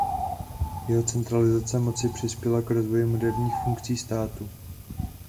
Jeho centralizace moci přispěla k rozvoji moderních funkcí státu.